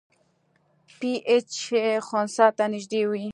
پی ایچ یې خنثی ته نږدې وي.